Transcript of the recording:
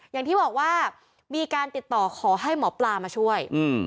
อย่างที่บอกว่ามีการติดต่อขอให้หมอปลามาช่วย